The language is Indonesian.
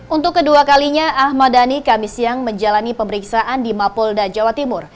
untuk kedua kalinya ahmad dhani kami siang menjalani pemeriksaan di mapolda jawa timur